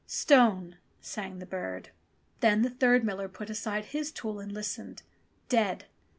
"Stone," sang the bird. Then the third miller put aside his tool and listened. "Dead!"